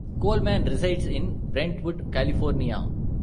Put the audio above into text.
Coleman resides in Brentwood, California.